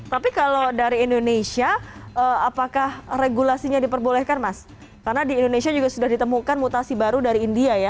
tapi kalau dari indonesia apakah regulasinya diperbolehkan mas karena di indonesia juga sudah ditemukan mutasi baru dari india ya